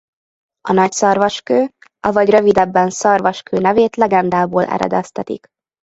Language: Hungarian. A Nagy Szarvaskő avagy rövidebben Szarvaskő nevét legendából eredeztetik.